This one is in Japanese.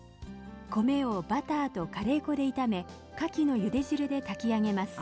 米をバターとカレー粉で炒めかきのゆで汁で炊き上げます。